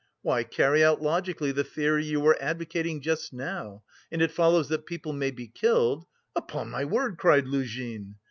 "Why, carry out logically the theory you were advocating just now, and it follows that people may be killed..." "Upon my word!" cried Luzhin.